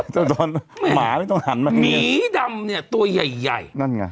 เจ้าช้อนหมาไม่ต้องหันมาเงี้ยหมีดำเนี้ยตัวใหญ่ใหญ่